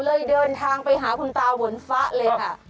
เลยเดินทางไปหาคุณตาบนฟ้าเลยค่ะ